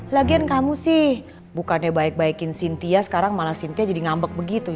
lagian kamu sih bukannya baik baikin cynthia sekarang malah sintia jadi ngambek begitu